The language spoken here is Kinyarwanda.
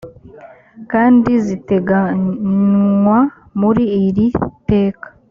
kandi ziteganywa muri iri teka